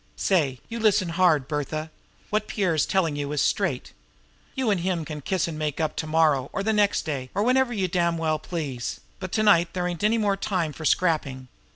"Say, you listen hard, Bertha! What Pierre's telling you is straight. You and him can kiss and make up to morrow or the next day, or whenever you damned please; but to night there ain't any more time for scrapping.